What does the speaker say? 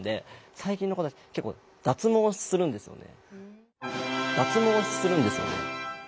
最近の子は結構脱毛するんですよね。